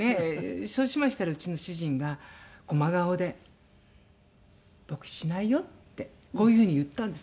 そうしましたらうちの主人が真顔で「僕しないよ」ってこういう風に言ったんですよ。